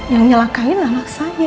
yang menyalakkan anak saya